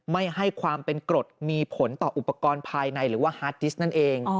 ไม่ให้ความเป็นกรดมีผลต่ออุปกรณ์ภายในหรือว่าฮาร์ดดิสนั่นเอง